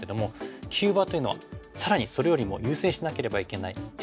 急場というのはさらにそれよりも優先しなければいけない忙しい場所。